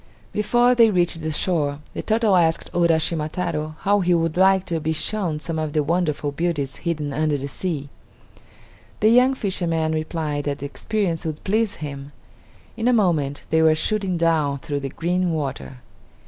Before they reached the shore, the turtle asked Uraschima Taro how he would like to be shown some of the wonderful beauties hidden under the sea. The young fisherman replied that the experience would please him. In a moment they were shooting down through the green water.